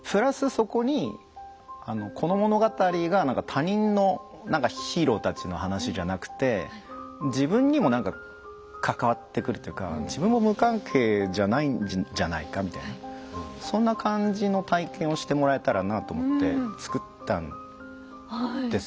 そこにこの物語がなんか他人のなんかヒーローたちの話じゃなくて自分にもなんか関わってくるというか自分も無関係じゃないんじゃないかみたいなそんな感じの体験をしてもらえたらなと思ってつくったんですよ。